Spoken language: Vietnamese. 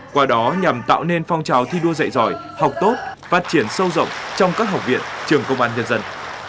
qua đó nhằm tạo nên phong trào thi đua dạy giỏi học tốt phát triển sâu rộng trong các học viện trường công an nhân dân